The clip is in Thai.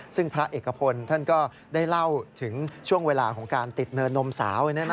ซึ่งพระเอกพลท่านก็ได้เล่าถึงช่วงเวลาของการติดเนินนมสาว